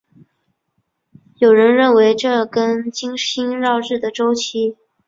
有人认为这跟金星绕日的周期。